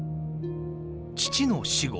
父の死後